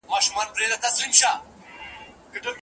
واده ته ورتلونکي کسان دي ناوي او زوم ته مسنونه دعاء وکړي.